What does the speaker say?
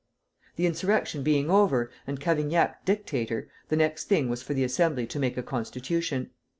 The insurrection being over, and Cavaignac dictator, the next thing was for the Assembly to make a constitution.